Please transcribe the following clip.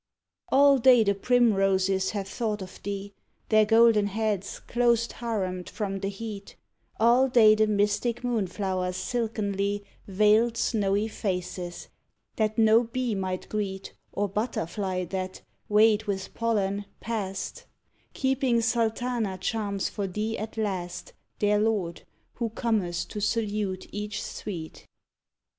All day the primroses have thought of thee, Their golden heads close haremed from the heat; All day the mystic moonflowers silkenly Veiled snowy faces, that no bee might greet Or butterfly that, weighed with pollen, passed; Keeping Sultana charms for thee, at last, Their lord, who comest to salute each sweet.